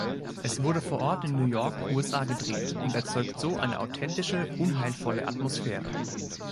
Es wurde vor Ort in New York, USA, gedreht und erzeugt so eine authentische, unheilvolle Atmosphäre.